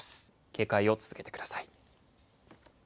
警戒を続けてください。